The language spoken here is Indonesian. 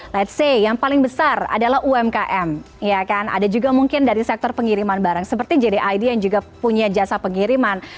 let's say yang paling besar adalah umkm ya kan ada juga mungkin dari sektor pengiriman barang seperti jdid yang juga punya jasa pengiriman